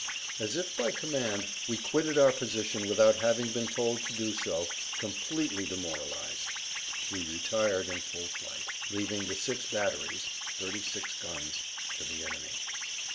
As if by command, we quitted our position without having been told to do so, completely demoralized; we retired in full flight, leaving the six batteries (36 guns) to the enemy.